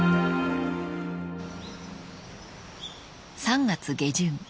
［３月下旬］